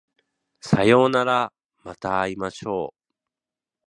さようならまた会いましょう